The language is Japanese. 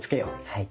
はい。